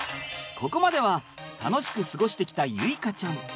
ここまでは楽しく過ごしてきた結花ちゃん。